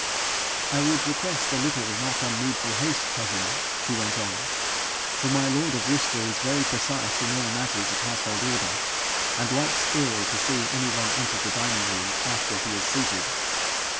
'I would request a little not unneedful haste, cousin,' she went on, 'for my lord of Worcester is very precise in all matters of household order, and likes ill to see any one enter the dining room after he is seated.